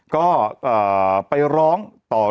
ก็เอ่อไปร้องต่อเรขาธิการ